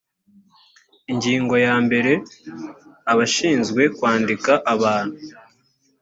ingingo ya mbere abashinzwe kwandika abantu